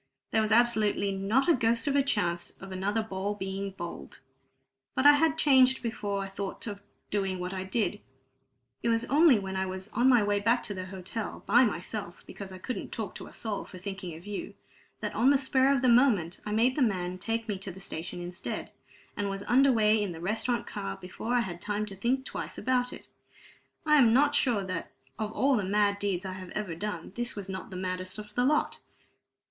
There was absolutely not the ghost of a chance of another ball being bowled. But I had changed before I thought of doing what I did. It was only when I was on my way back to the hotel, by myself, because I couldn't talk to a soul for thinking of you, that on the spur of the moment I made the man take me to the station instead, and was under way in the restaurant car before I had time to think twice about it. I am not sure that of all the mad deeds I have ever done, this was not the maddest of the lot!"